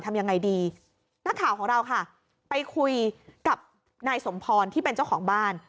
ทำยังไงดีนักข่าวของเราค่ะไปคุยกับนายสมพรที่เป็นเจ้าของบ้าน